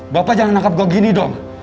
bapak jangan menangkap gue gini dong